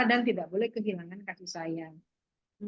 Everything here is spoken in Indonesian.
dan tidak boleh kehilangan kasih sayang